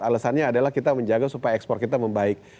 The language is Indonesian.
alasannya adalah kita menjaga supaya ekspor kita membaik